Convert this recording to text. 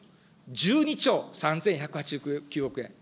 １２兆３１８９億円。